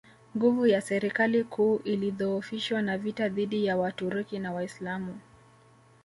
Nguvu ya serikali kuu ilidhoofishwa na vita dhidi ya Waturuki na Waislamu